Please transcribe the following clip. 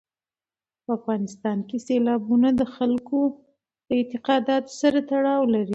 په افغانستان کې سیلابونه د خلکو د اعتقاداتو سره تړاو لري.